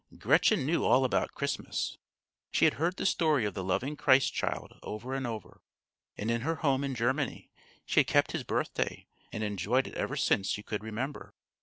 Gretchen knew all about Christmas. She had heard the story of the loving Christ Child over and over, and in her home in Germany she had kept His birthday and enjoyed it ever since she could remember.